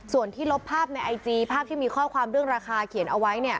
ส่วนที่ลบภาพในไอจีภาพที่มีข้อความเรื่องราคาเขียนเอาไว้เนี่ย